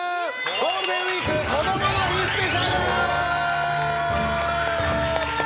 ゴールデンウィークこどもの日スペシャル。